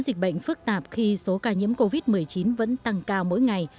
dịch bệnh phức tạp khi số ca nhiễm covid một mươi chín vẫn tăng cao mỗi ngày